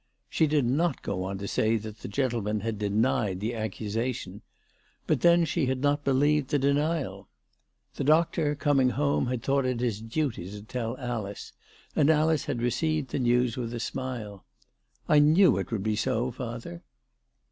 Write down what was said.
She did not go on to say that the gentleman had denied the accusation, but then she had not believed the denial. The doctor, coming home, had thought it his duty to tell Alice, and Alice had received the news with a smile. "I knew it would be so, father."